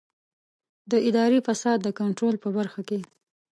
د اداري فساد د کنټرول په برخه کې.